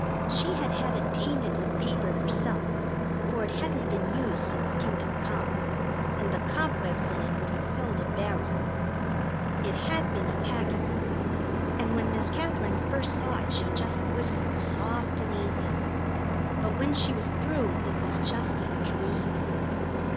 She had had it painted and papered herself, for it hadn't been used since kingdom come, and the cobwebs in it would have filled a barrel. It had been a packing room, and when Miss Katherine first saw it she just whistled soft and easy; but when she was through, it was just a dream.